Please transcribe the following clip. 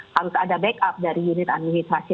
harus ada backup dari unit administrasi